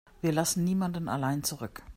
Wir lassen niemanden allein zurück.